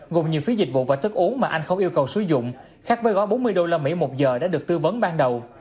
gồm nhiều phí dịch vụ và thức uống mà anh không yêu cầu sử dụng khác với gói bốn mươi usd một giờ đã được tư vấn ban đầu